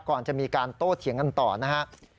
ก่อนจะมีการโต้เถียงกันต่อนะครับ